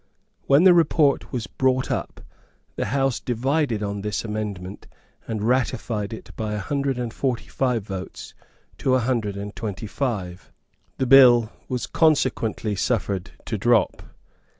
When the report was brought up the House divided on this amendment, and ratified it by a hundred and forty five votes to a hundred and twenty five. The bill was consequently suffered to drop.